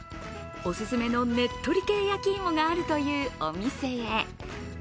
おすすめのねっとり系焼き芋があるというお店へ。